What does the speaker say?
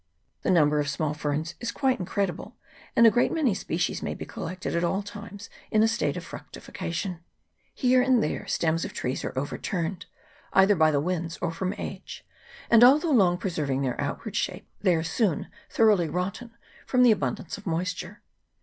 The number of small ferns is quite incredible, and a great many species may be collected at all times in a state of fructification. Here and there steins of trees are overturned, either by the winds or from age ; and although long preserving their outward shape, they are soon thoroughly rotten, from the abundance of moisture.